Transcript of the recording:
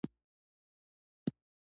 ته وخانده چي زړونه نرم شي